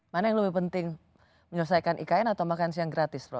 mana yang lebih penting menyelesaikan ikn atau makan siang gratis roh